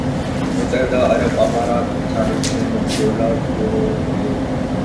متحدہ عرب امارات کی جانب سے منجولا گوروگے